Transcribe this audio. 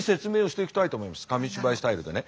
紙芝居スタイルでね。